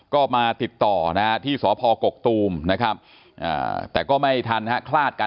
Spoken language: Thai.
ก็มาติดต่อนะฮะที่สพกกตูมนะครับแต่ก็ไม่ทันฮะคลาดกัน